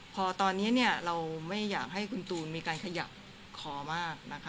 พอตอนนี้เราไม่อยากให้คุณตูนมีการขยับคอมากนะคะ